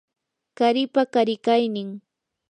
qaripa qarikaynin